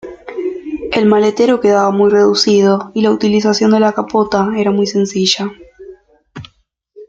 El maletero quedaba muy reducido y la utilización de la capota era muy sencilla.